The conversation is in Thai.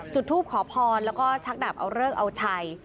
จุดทูปขอพรแล้วก็ชักดาบเอาเลิกเอาชัย